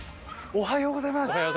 おはようございます。